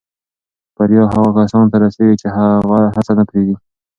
بریا هغو کسانو ته رسېږي چې هڅه نه پرېږدي.